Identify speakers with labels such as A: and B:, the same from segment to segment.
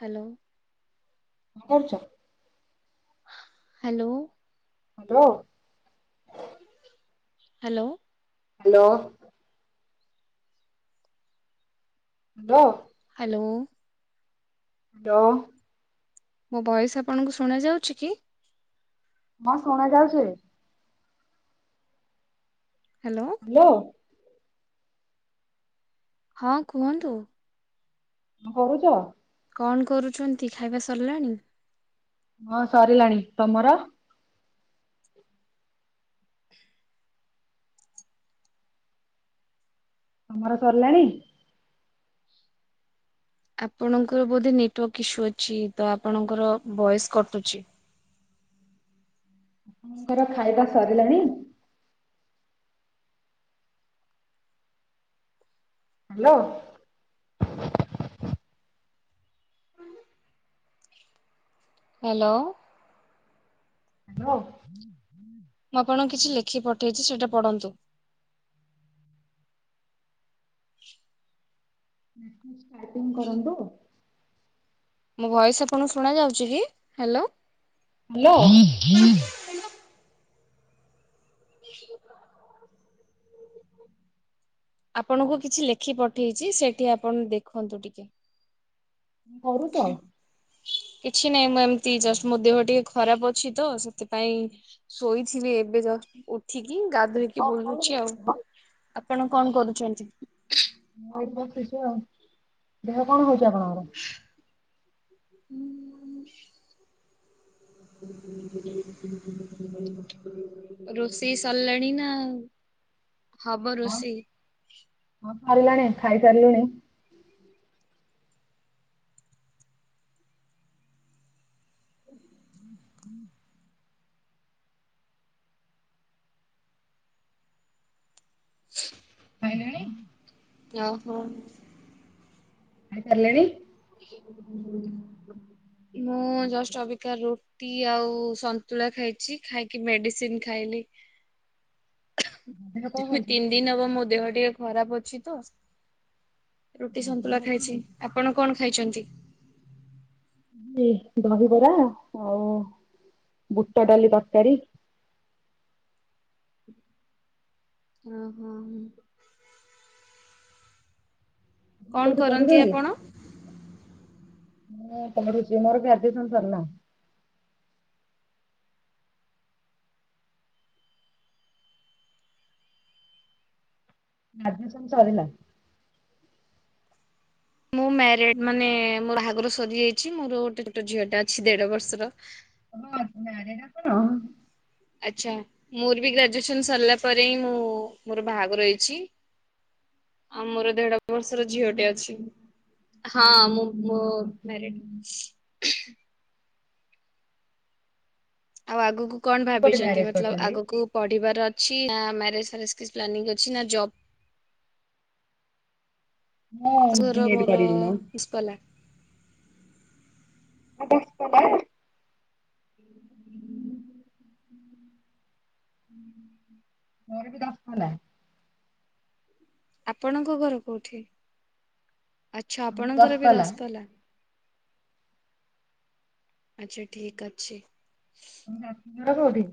A: Hello.
B: କଂ କରୁଚ।
A: Hello.
B: Hello.
A: Hello.
B: Hello. Hello.
A: Hello.
B: Hello.
A: ମୋ ଭଏସ୍ ଆପଣଙ୍କୁ ଶୁଣାଯାଉଛି କି?
B: ହଁ ଶୁଣା ଯାଉଛି।
A: ହ୍ୟାଲୋ।
B: ହାଲୋ।
A: ହଁ କୁହନ୍ତୁ।
B: କଣ କହୁଛ?
A: କଣ କରୁଛନ୍ତି ଖାଇବା ସରିଲାଣି?
B: ହଁ ସରିଲାଣି। ତମର? ତମର ସରିଲାଣି?
A: ଆପଣଙ୍କର ବୋଧେ ନେଟୱାର୍କ ଇସୁ ଅଛି ତ ଆପଣଙ୍କର ଭଏସ୍ କଟୁଛି।
B: ଆପଣଙ୍କର ଖାଇବା ସରିଲାଣି? ହ୍ୟାଲୋ।
A: ହ୍ୟାଲୋ।
B: ହ୍ୟାଲୋ।
A: ମୁଁ ଆପଣଙ୍କୁ କିଛି ଲେଖିକି ପଠେଇଛି ସେଇଟା ପଢ଼ନ୍ତୁ। [unintelligible]
B: [unintelligible] ଷ୍ଟାର୍ଟିଂ କରନ୍ତୁ।
A: ମୋ ଭଏସ୍ ଆପଣଙ୍କୁ ଶୁଣାଯାଉଛି କି? ହ୍ୟାଲୋ।
B: ହାଲୋ।
A: [inaudible] ଆପଣଙ୍କୁ କିଛି ଲେଖି ପଠେଇଛି। ସେଇଠି ଆପଣ ଦେଖନ୍ତୁ ଟିକେ।
B: [unintelligible] କରୁଛ?
A: କିଛି ନାହିଁ ମୁଁ ଏମିତି ଜଷ୍ଟ ମୋ ଦେହ ଟିକେ ଖରାପ ଅଛି ତ ସେଥିପାଇଁ ଶୋଇଥିଲି ଏବେ ଜଷ୍ଟ ଉ ଏଠିକି ଗାଧୋଇକି
B: ହଁ କଣ
A: ବୁଲୁଛି ଆଉ।
B: କରୁଛ?
A: ଆପଣ କଣ କରୁଛନ୍ତି?
B: ମୁଁ ଏଇଠି ବସିଛି ଆଉ। ଦେହ କଣ ହଉଛି ଆପଣଙ୍କର?
A: ହୁଁ ରୋଷେଇ ସରିଲାଣି ନା ହବ
B: ହଁ
A: ରୋଷେଇ?
B: ହଁ ସରିଲାଣି। ଖାଇସାରିଲୁଣି।
A: ହୁଁ ହୁଁ
B: ହୁଁ ହୁଁ [inaudible]
A: [inaudible]
B: ଖାଇଲେଣି?
A: ଓହୋ।
B: ଖାଇ ସାରିଲଣି?
A: ମୁଁ ଜଷ୍ଟ ଅବିକା ରୁ ଟି ଆଉ ସନ୍ତୁଳା ଖାଇଛି। ଖାଇକି ମେଡିସିନ୍ ଖାଇଲି।
B: ଦେହ କଣ
A: ଦୁଇ
B: ହଉଛି?
A: ତିନି ଦିନ ହବ ମୋ ଦେହ ଟିକେ ଖରାପ ଅଛି ତ। ରୁଟି
B: ଦେହ
A: ସନ୍ତୁଳା
B: କଣ
A: ଖାଇଛି।
B: ହଉଛି?
A: ଆପଣ କଣ ଖାଇଛନ୍ତି?
B: ମୁଁ ଦହିବରା ଆଉ ବୁଟ ଡାଲି ତରକାରୀ।
A: ଓହୋ ମ୍।
B: ଆପଣ
A: କଣ
B: କୋଉଠି
A: କରନ୍ତି
B: ପଢୁଛନ୍ତି?
A: ଆପଣ?
B: ମୁଁ ଏବେ [unintelligible] ଅଛି। ମୋର ଗ୍ରାଜୁଏସନ୍ ସରିଲାଣି। ଗ୍ରାଜୁଏସନ୍ ସରିଲା।
A: ମୁଁ ମ୍ୟାରେଡ୍ ମାନେ ମୋ ବାହାଘର ସରିଯାଇଛି। ମୋର ଗୋଟେ ଛୋଟ ଝିଅଟେ ଅଛି ଦେଢ ବର୍ଷର।
B: ହଁ ମ୍ୟାରେଡ୍ ଆପଣ?
A: ଆଚ୍ଛା ମୋର ବି ଗ୍ରାଜୁଏସନ ସରିଲା ପରେ ହିଁ ମୁଁ ମୋର ବାହାଘର ହେଇଛି। ଆଉ ମୋର ଦେଢ ବର୍ଷର ଝିଅଟେ ଅଛି। ହଁ ମୁଁ ମୋ ମ୍ୟରେଡ ଆଉ ଆଗକୁ କଣ
B: ମୁଁ କୋଉଠି
A: ଭାବିଛନ୍ତି
B: ମ୍ୟାରେଜ
A: ମତଲବ
B: କରିଛନ୍ତି?
A: ଆଗକୁ। ପଢିବାର ଅଛି ନା ମ୍ୟାରେଜ ପ୍ଲାନିଂ ଅଛି ନା ଜବ
B: ମୁଁ ବି
A: ତୋର
B: ଏଡ୍
A: ମୋର।
B: କରିବି ମୁଁ।
A: [inaudible]
B: [unintelligible]
A: ହୁଁ [inaudible] ହୁଁ ହ [inaudible]
B: ମୋର ବି ଦଶପଲା।
A: ଆପଣଙ୍କ ଘର କୋଉଠି। ଆଚ୍ଛା
B: ଆମର
A: ଆପଣଙ୍କର ବି
B: ଦଶପଲ୍ଲା। ତମ
A: ଦଶପଲା। ଆଚ୍ଛା ଠିକ ଅଛି।
B: ତମ ଶାଶୁଘର କୋଉଠି।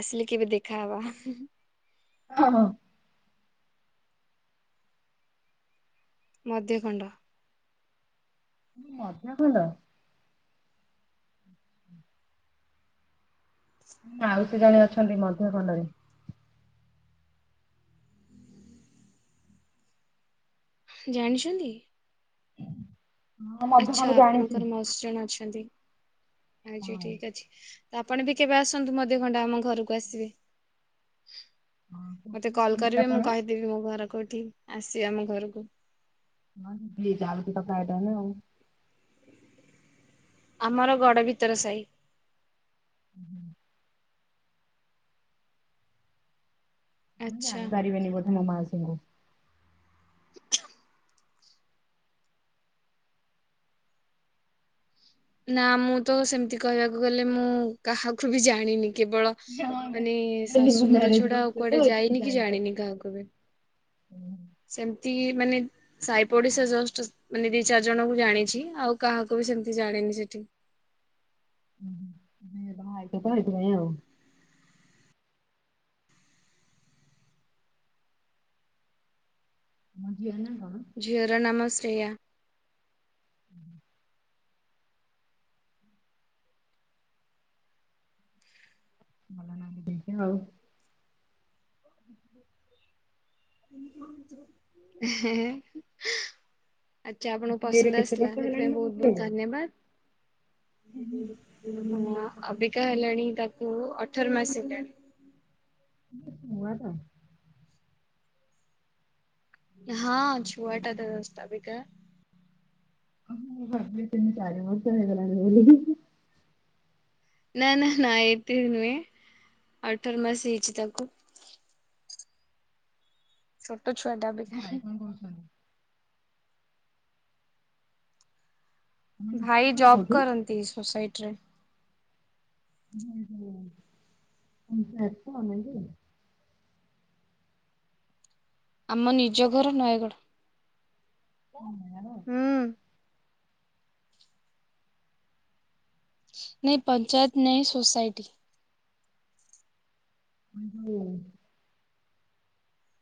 A: ଆସିଲେ କେବେ ଦେଖାହବା।
B: ହଁ ହଁ।
A: ମଧ୍ୟଖଣ୍ଡ।
B: ମଧ୍ୟଖଣ୍ଡ। ମାଉସୀ ଜଣେ ଅଛନ୍ତି ମଧ୍ୟଖଣ୍ଡରେ।
A: ଜାଣିଛନ୍ତି।
B: ହୁଁ [inaudible]
A: ଆଚ୍ଛା ଆପଣଙ୍କର ମାଉସି ଜଣେ ଅଛନ୍ତି। ଆଚ୍ଛା
B: ହଁ
A: ଠିକ ଅଛି ତ ଆପଣ ବି କେବେ ଆସନ୍ତୁ ମଧ୍ୟଖଣ୍ଡେ ଆମ ଘରକୁ ଆସିବେ। ମତେ କଲ
B: ହଁ
A: କରିବେ ମୁଁ
B: ଆପଣ?
A: କହିଦେବି ମୋ ଘର କଉଠି ଆସିବା ଆମ ଘରକୁ।
B: ହଁ ଯିବି ଯାଉଚିତ ପ୍ରାଏ ଟାଇମ ଆଉ।
A: ଆମର ଗଡ଼ ଭିତର ସାହି।
B: ହୁଁ। ଆପଣ
A: ଆଚ୍ଛା।
B: ଜାଣି ପାରିବେନି ମୋ ମାଉସୀଙ୍କୁ।
A: ନା ମୁଁ ତ ସେମିତି କହିବାକୁ ଗଲେ ମୁଁ କାହାକୁ ବି ଜାଣିନି କେବଳ
B: ହଁ
A: ମାନେ
B: ଏବେ ନ୍ୟୁ
A: ଶାଶୁଘର
B: ମ୍ୟାରେଜ
A: ଛଡା
B: କରୁଛ
A: ଆଉ
B: ତ
A: କୁଆଡେ
B: ଏଥିପାଇଁ
A: ଯାଇନି କି ଜାଣିନି
B: ଜାଣିପାରିବନି ଆଉ।
A: କାହାକୁ ବି। ସେମିତି ମାନେ। ସାଇ ପଡିସା ଜଷ୍ଟ ମାନେ ଦି ଚାରି ଜଣଙ୍କୁ ଜାଣିଛି ଆଉ କାହାକୁ ବି ସେମତି ଜାଣିନି ସେଠି।
B: ଉହୁଁ ନୂଆ ବାହା ହେଇଚତ ସେଇଥି ପାଇଁ ଆଉ। ତମ ଝିଅ ର ନାଁ କଣ।
A: ଝିଅର ନାମ ଶ୍ରେୟା।
B: [inaudible] ଭଲ ନାଁ ଦେଇଚ ଆଉ।
A: ହେଁ ହେଁ। ଆଛା ଆପଣଙ୍କୁ
B: ଏରେ
A: ପସନ୍ଦ
B: କେତେ
A: ଆସିଲା
B: ବର୍ଷ ହେଲାଣି
A: ସେଥିପାଇଁ
B: ତମ
A: ବହୁତ ବହୁତ
B: ଝିଅକୁ?
A: ଧନ୍ୟବାଦ। ହଁ ଅବିକା ହେଲାଣି ତାକୁ ଅଠର ମାସ ହେଲାଣି।
B: ଛୁଆଟା।
A: ହଁ ଛୁଆଟା ତ ଜଷ୍ଟ ଅବିକା।
B: ମୁଁ ଭାବି ତିନି ଚାରି ବର୍ଷ ହେଇଗଲାଣି ବୋଲି।
A: ନା ନା ନାଁ ଏତେନୁହଁ ଅଠର ମାସ ହେଇଛିି ତାକୁ। ଛୋଟ ଛୁଆଟା ଅବିକା।
B: ଉଁ ହୁଁ। ତମ ନିଜ
A: ଭାଇ
B: ଘର
A: ଜବ୍
B: କୋଉଠି?
A: କରନ୍ତି ସୋସାଇଟି ରେ।
B: [unintelligible]
A: ଆମ ନିଜ ଘର ନୟାଗଡ ହୁଁ। ନାଇଁ ପଞ୍ଚାୟତ ନାଇଁ ସୋସାଇଟି।
B: [inaudible]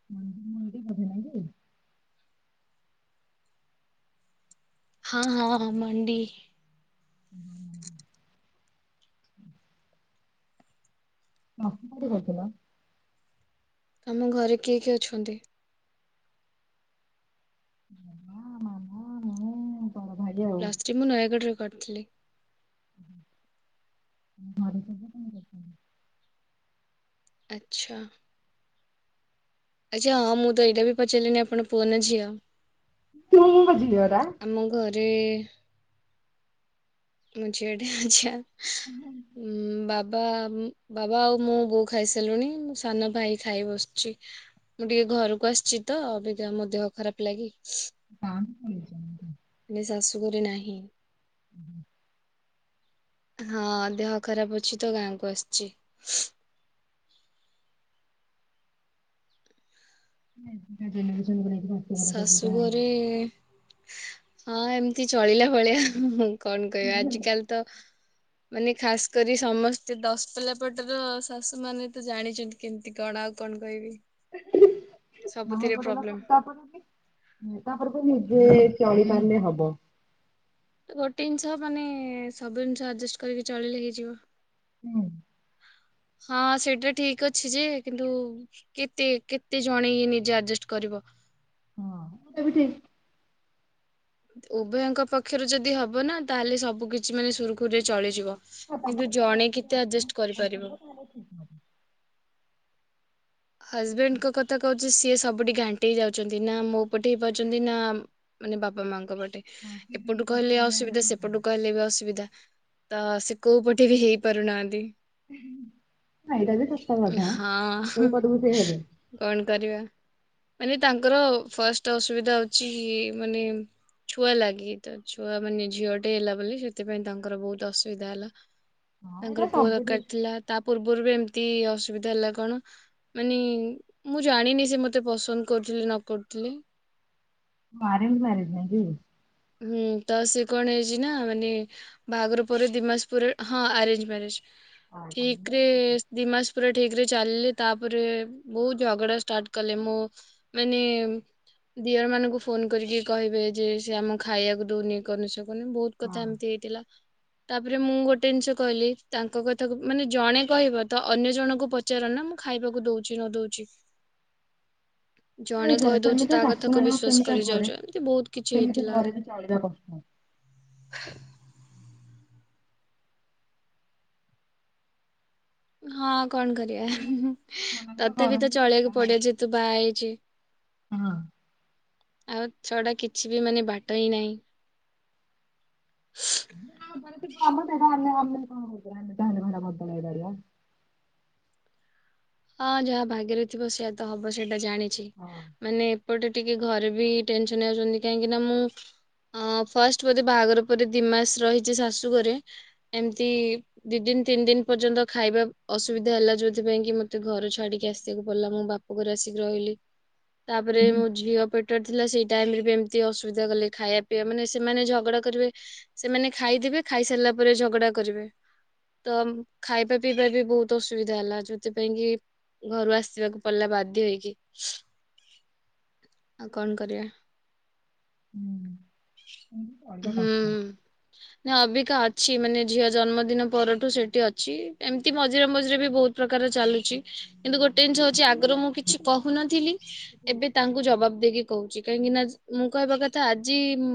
B: [unintelligible]
A: ହଁ ହଁଁ ମଣ୍ଡି।
B: ଅତି ଭଦ୍ର।
A: ତମ ଘରେ କିଏ କିଏ ଅଛନ୍ତି?
B: ବାବା ମାମା ମୁଁ। ବଡ ଭାଇ ଆଉ
A: ପ୍ଲସ ଥ୍ରି ମୁଁ ନୟାଗଡ଼ରେ କରିଥିଲି।
B: [unintelligible]
A: ଆଛା। ଆଛା ହଁ ମୁଁ ତ ଏଇଟା ବି ପଚାରିଲିନି ଆପଣ ପୁଅ ନା ଝିଅ।
B: ତୁ ମୁଁ ପା ଝିଅଟା।
A: ଆମ ଘରେ ମୁଁ ଝିଅଟା ଆଛା। ଉଁ ବାବା ବାବା ଆଉ ମୁଁ ବୋଉ ଖାଇସାରିଲୁଣି ମୋ ସାନ ଭାଇ ଖାଇ ବସିଛି। ମୁଁ ଟିକେ ଘରକୁ ଆସିଛି ତ ଅବିକା ମୋ ଦେହ ଖରାପ ଲାଗି।
B: ହଁ ମି
A: ମୁଁ ଶାଶୁଘରେ ନାହିଁ।
B: [inaudible]
A: ହଁ ଦେହ ଖରାପ ଅଛି ତ ଗାଁକୁ ଆସିଛି।
B: [unintelligible]
A: ଶାଶୁଘରେ ହଁ ଏମିତି ଚଳିଲା ଭଳିଆ ହୁଁ। କଣ କହିବା ଆଜିକାଲି ତ ମାନେ ଖାସ କରି ସମସ୍ତେ ଦଶପଲା ପଟର ଶାଶୁମାନେ ତ ଜାଣିଛନ୍ତି। କେମିତି କଣ ଆଉ କଣ କହିବି ସବୁଥିରେ ପ୍ରୋବ୍ଲେମ।
B: ତାପକୁ ନିଜେ ଚଳିପାରିଲେ ହବ।
A: ଗୋଟେ ଜିନିଷ ମାନେ ସବୁ ଜିନିଷ ଆଯେଷ୍ଟ କରିକି ଚଳିଲେ ହେଇଯିବ।
B: ହୁଁ।
A: ହଁ ସେଇଟା ଠିକ ଅଛି ଯେ କିନ୍ତୁ କେତେ କେତେ ଜଣେ ଇଏ ନିଜେ ଆଯେଷ୍ଟ କରିବ।
B: ହଁ ସେଟା ବି ଠିକ।
A: ଉଭୟଙ୍କ ପକ୍ଷରୁ ଯଦି ହବ ନା ତାହେଲେ ସବୁ କିଛି ମାନେ ସୁରୁଖୁରୁରେ ଚଳିଯିବ।
B: ହଁ ଏଇଟା
A: କିନ୍ତୁ ଜଣେ କେତେ ଆଯେଷ୍ଟ କରିପାରିବ।
B: [inaudible]
A: ହଜବେଣ୍ଡଙ୍କ କଥା କହୁଛି ସିଏ ସବୁ ପଟେ ଘାଣ୍ଟି ହେଇ ଯାଉଛନ୍ତି ନା ମୋ ପଟେ ହେଇପାରୁଛନ୍ତି ନା ମାନେ ବାପା ମାଙ୍କ ପଟେ। ଏପଟୁ କହିଲେ ଅସୁବିଧା ସେପଟୁ କହିଲେ ବି ଅସୁବିଧା। ତ ସିଏ କୋଉ ପଟେ ବି ହେଇ ପାରୁନାହାଁନ୍ତି।
B: ଏଇଟା ବି ସତ କଥା କୋଉ
A: ହଁ
B: ପଟକୁ ସେ ହେବେ।
A: କଣ କରିବା ମାନେ ତାଙ୍କର ଫାଷ୍ଟ ଅସୁବିଧା ହଉଛି ମାନେ ଛୁଆ ଲାଗି ତ ଛୁଆ ମାନେ ଝିଅଟେ ହେଲା ବୋଲି ସେଥିପାଇଁ ତାଙ୍କର ବହୁତ ଅସୁବିଧା ହେଲା।
B: ହଁ ଏଇଟା
A: ତାଙ୍କର ପୁଅ
B: ସବୁଠି
A: ଦରକାର ଥିଲା ତା ପୂର୍ବରୁ ବି ଏମିତି ଅସୁବିଧା ହେଲା କଣ ମାନେ ମୁଁ ଜାଣିନି ସେ ମତେ ପସନ୍ଦ କରୁଥିଲେ ନ କରୁଥିଲେ।
B: ଅରେଞ୍ଜ ମ୍ୟାରେଜ୍ ନାଇ କି?
A: ହୁଁ ତ ସେ କଣ ହେଇଛି ନା ମାନେ ବାହାଘର ପରେ ଦି ମାସ ପରେ ହଁ ଆରେଞ୍ଜ ମ୍ୟାରେଜ।
B: ହଁ
A: ଠିକରେ ଦି ମାସ ପୁରା ଠିକରେ ଚାଲିଲେ ତାପରେ ବହୁତ ଝଗଡା ଷ୍ଟାର୍ଟ କଲେ ମୁଁ ମାନେ ଦିଅର ମାନଙ୍କୁ ଫୋନ କରିକି କହିବେ ଯେ ସେ ଆମକୁ ଖାଇବାକୁ ଦଉନି ଇଏ କରୁନି ସିଏ କୁରୁନି ବହୁତ କଥା ଏମିତି ହେଇଥିଲା। ତାପରେ ମୁଁ ଗୋଟେ ଜିନିଷ କହିଲି ତାଙ୍କ କଥାକୁ ମାନେ ଜଣେ କହିବ ତ ଅନ୍ୟ ଜଣଙ୍କୁ ପ ପଚାର ନା ମୁଁ ଖାଇବାକୁ ଦଉଛି ନ ଦଉଛି। ଜଣେ କହିଦଉଛି
B: ସେମିତିଆ
A: ତା
B: ଶାଶୁ
A: କଥାକୁ
B: ମାନଙ୍କ
A: ବିଶ୍ଵାସ
B: ସେମିତିଆ
A: କରି
B: ଘରେ
A: ଯାଉଛ ଏମିତି ବହୁତ କିଛି
B: ସେମିତି
A: ହେଇଥିଲା।
B: ଘରେ ବି ଚଳିବା କଥା।
A: ହ। ହଁ କଣ କରିବା
B: ମନାଲିକା
A: ତଥାପି
B: ଗରମ
A: ତ ଚଳେଇ ବାକୁ ପଡିବ ଯେହେତୁ ବାହା ହେଇଚି।
B: ହଁ।
A: ଆଉ ଛଡା କିଛି ବି ମାନେ ବାଟ ହିଁ ନାହିଁ।
B: ହଁ ମ ତାର ଆମେ ଆମେ କଣ ଆମେ ଚାହିଁଲେ କଣ ହେଟା ବଦଳେଇ ପାରିବା।
A: ହଁ ଯାହା ଭାଗ୍ୟରେ ଥିବ ସେଇଆ ତ ହବ ସେଇଟା ଜାଣିଚି
B: ହଁ।
A: ମାନେ ଏପଟେ ଟିକେ ଘରେ ବି ଟେନସନ୍ ହେଇ ଯାଉଛନ୍ତି କାହିଁକି ନା ମୁଁ ଆଁ ଫାଷ୍ଟ ବୋଧେ ବାହାଘର ପରେ ଦିମାସ ରହିଚି ଶାଶୁଘରେ ଏମତି ଦିଇ ଦିନ ତିନି ଦିନ ପର୍ଯ୍ୟନ୍ତ ଖାଇବା ଅସୁବିଧା ହେଲା ଯୋଉଥିପାଇଁ କି ମ ମତେ ଘର ଛାଡିକି ଆସିବାକୁ ପଡିଲା ମୋ ବାପାଘରେ ଆସିକି ରହିଲି ତାପରେ ମୋ ଝିଅ ପେ ଟରେ ଥିଲା ସେଇ ଟାଇମରେ ବି ଏମତି ଅସୁବିଧା କଲେ ଖାଇବା ପିଇବା ମାନେ ସେମାନେ ଝଗଡା କରିବେ ସେମାନେ ଖାଇଦେବେ ଖାଇ ସାରିଲା ପରେ ଝଗଡା କରିବେ। ତ ଖାଇବା ପିଇବାରେ ବି ବୋହୁତ ଅସୁବିଧା ହେଲା ଯଦି ପାଇଁ କିି ଘରୁ ଆସିବାକୁ ପଡିଲା ବାଧ୍ୟ ହେଇକି। ଆଉ କଣ କରିବା।
B: ହୁଁ। ଏମିତି କରିବା
A: ହୁଁ।
B: କଷ୍ଟ।
A: ନାଇଁ ଅବିକା ଅଛି ମାନେ ଝିଅ ଜନ୍ମଦିନ ପରଠୁ ସେଠି ଅଛି ଏମତି ମଝିରେ ମଝିରେ ବି ବୋହୁତ୍ ପ୍ରକାର ଚାଲୁଚି କିନ୍ତୁ ଗୋଟେ
B: ହଁ
A: ଜିନିଷ
B: କିଛି
A: ହୋଉଚି
B: ଦିନ
A: ଆଗରୁ ମୁଁ
B: ଲେଟ୍ ରେ ଠିକ
A: କିଛି କୋହୁନଥିଲି ଏବେ
B: ହେଇଯିବ।
A: ତାଙ୍କୁ ଜବାବ ଦେଇକି କୋହୁଚି କାହିଁକି ନା ଯ୍ ମୁଁ କହିବା କଥା ଆଜି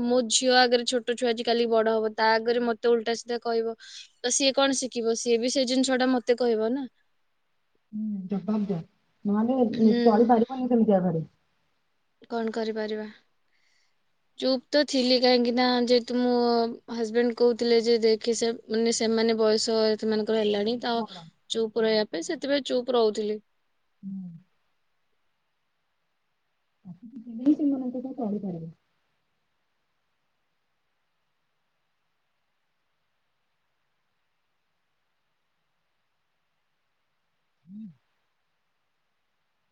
A: ମୋ ଝିଅ ଆଗରେ ଛୋଟ ଛୁଆ ଆଜି କାଲି ବଡ ହବ ତା ଆଗରେ ମତେ ଓଲଟା ସିଧା କହିବ। ତ ସିଏ କଣ ଶିଖିବ ସିଏ ବି ସେଇ ଜିନିଷଟା ମତେ କହିବ ନା।
B: ହୁଁ ଜବାବ ଦିଅ ନହେଲେ ଉଁ
A: ହୁଁ
B: ଚଳିପାରିବନି ସେମିତିଆ ଘରେ।
A: କଣ କରିପାରିବା। ଚୁପ୍ ତ ଥିଲି କାହିଁକି ନା ଯେହେତୁ ମୋ ହଜବେଣ୍ଡ କୋହୁଥିଲେ ଯେ ଦେଖେ ସେ ମାନେ ସେମାନେ ବୟସ ସେମାନଙ୍କର ହେଲାଣି ତ
B: ବଡ
A: ଚୁପ୍ ରହିବା ପାଇଁ ସେଥିପାଇଁ ଚୁପ୍ ରହୁଥିଲି।
B: ହୁଁ। ଆସିକି [unintelligible] ସେମାନଙ୍କ ସହ ଚଳିପାରିବୁ। ହୁଁ।